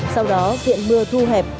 sau đó viện mưa thu hẹp